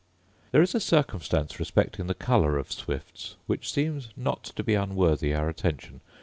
There is a circumstance respecting the colour of swifts, which seems not to be unworthy our attention.